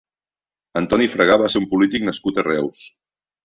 Antoni Fragà va ser un polític nascut a Reus.